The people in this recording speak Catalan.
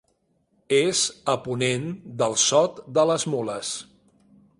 És a ponent del Sot de les Mules.